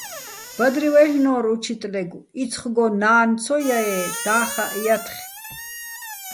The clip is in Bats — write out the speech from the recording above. ბადრივ აჲლ'ნო́რ უჩტლეგო̆: "იცხგო ნა́ნ ცო ჲაე́, და́ხაჸ ჲათხე̆".